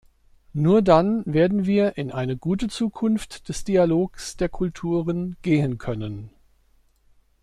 Nur dann werden wir in eine gute Zukunft des Dialogs der Kulturen gehen können.